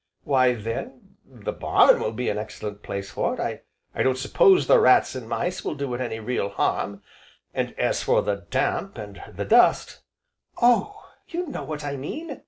"Why then the barn will be an excellent place for it, I don't suppose the rats and mice will do it any real harm, and as for the damp, and the dust " "Oh! you know what I mean!"